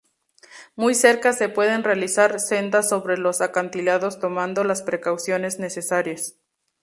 Muy cerca se pueden realizar sendas sobre los acantilados tomando las precauciones necesarias.